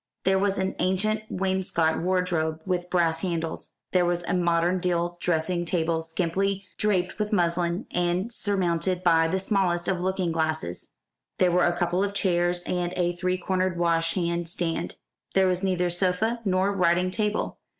There was an ancient wainscot wardrobe with brass handles. There was a modern deal dressing table skimpily draped with muslin, and surmounted by the smallest of looking glasses. There were a couple of chairs and a three cornered washhand stand. There was neither sofa nor writing table.